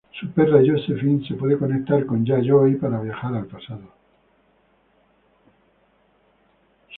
Su perra, Josephine, se puede conectar con Yayoi para viajar al pasado.